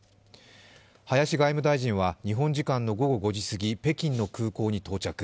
林外務大臣は日本時間の午後５時すぎ、北京の空港に到着。